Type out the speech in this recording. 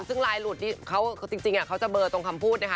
ซึ่งลายหลุดนี้จริงเขาจะเบอร์ตรงคำพูดนะคะ